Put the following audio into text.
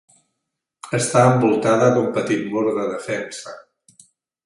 Està envoltada d'un petit mur de defensa.